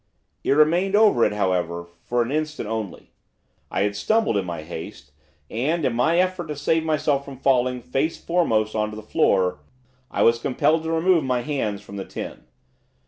It remained over it, however, for an instant only. I had stumbled, in my haste, and, in my effort to save myself from falling face foremost on to the floor, I was compelled to remove my hands from the tin.